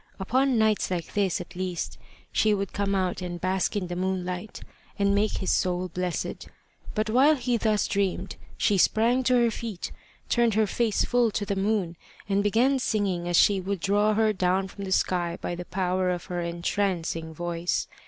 Upon nights like this at least she would come out and bask in the moonlight, and make his soul blessed. But while he thus dreamed she sprang to her feet, turned her face full to the moon, and began singing as she would draw her down from the sky by the power of her entrancing voice.